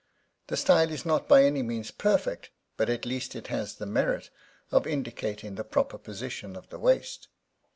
This style is not by any means perfect, but at least it has the merit of indicating the proper position of the waist.